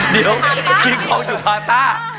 เดี๋ยวคิงคองอยู่พาร์ทต้า